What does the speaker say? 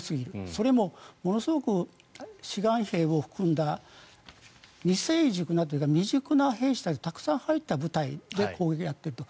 それもものすごく志願兵を含んだ未成熟なというか未熟な兵士たちがたくさん入った部隊で攻撃をやっていると。